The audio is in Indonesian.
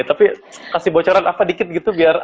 tapi kasih bocoran apa dikit gitu biar